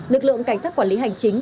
lực lượng cảnh sát quản lý hành chính